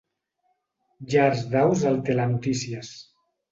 Llars d'aus al Telenotícies.